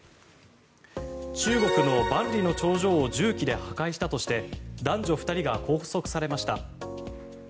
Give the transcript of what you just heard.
中国の万里の長城を重機で破壊したとして男女２人が拘束されました。